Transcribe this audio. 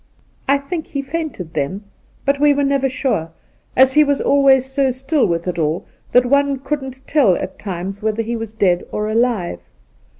I think he fainted then ; but we were never sure, as he was always so stiU with . it all that one couldn't tell at times whether he was dead or alive.